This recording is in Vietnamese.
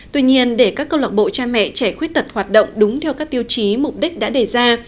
tuy nhiên để các câu lạc bộ cha mẹ trẻ khuyết tật hoạt động đúng theo các tiêu chí mục đích đã đề ra